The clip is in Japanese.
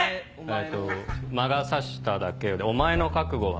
えと「魔が差しただけよ」で「お前の覚悟は」。